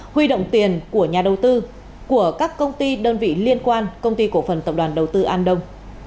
huy động tiền của nhà đầu tư của các công ty đơn vị liên quan công ty cổ phần tập đoàn đầu tư an đông